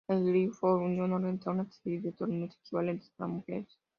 La Ladies Golf Union organiza una serie de torneos equivalentes para mujeres.